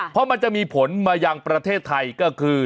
เพราะมันจะมีผลมาอย่างประเทศไทย